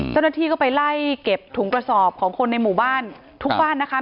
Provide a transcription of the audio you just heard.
เจ้าหน้าที่ก็ไปไล่เก็บถุงกระสอบของคนในหมู่บ้านทุกบ้านนะคะ